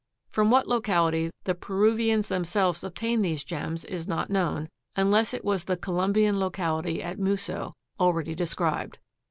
From what locality the Peruvians themselves obtained these gems is not known, unless it was the Colombian locality at Muso, already described.